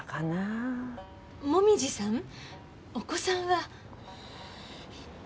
お子さんは？